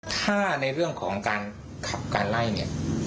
ถ้าในเรื่องของการขับการไล่เนี่ย